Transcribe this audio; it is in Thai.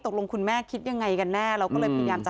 คุณแม่คิดยังไงกันแน่เราก็เลยพยายามจะ